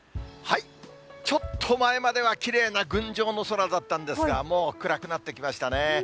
ちょっと前まではきれいな群青の空だったんですが、もう暗くなってきましたね。